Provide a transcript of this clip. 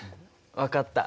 分かった。